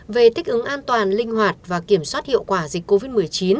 về thích ứng an toàn linh hoạt và kiểm soát hiệu quả dịch covid một mươi chín